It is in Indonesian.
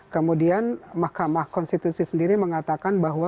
kemudian mahkamah konstitusi sendiri mengatakan bahwa